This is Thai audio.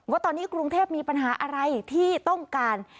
ว่าตอนนี้กรุงเทพมีปัญหาอะไรที่ต้องการ